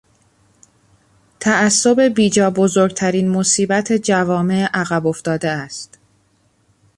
تعصب بیجا بزرگترین مصیبت جوامع عقب افتاده است.